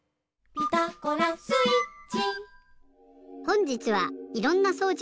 「ピタゴラスイッチ」